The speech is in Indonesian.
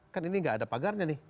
kan ini nggak ada pagarnya nih